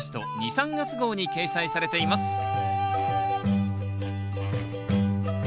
・３月号に掲載されています